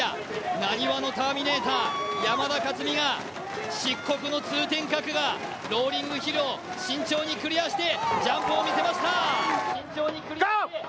浪速のターミネーター・山田勝己が漆黒の通天閣、ローリングヒルを慎重にクリアして、ジャンプを見せました。